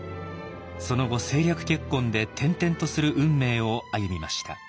その後政略結婚で転々とする運命を歩みました。